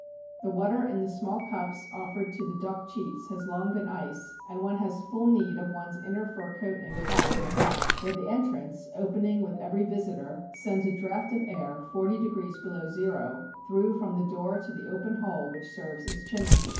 The water in the small cups offered to the dokchits has long been ice, and one has full need of one's inner fur coat and cap in the hut, where the entrance, opening with every visitor, sends a draft of air, forty degrees below zero, through from the door to the open hole which serves as chimney.